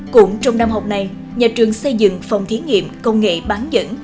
cũng trong năm học này nhà trường xây dựng phòng thí nghiệm công nghệ bán dẫn